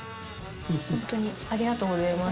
ホントにありがとうございます。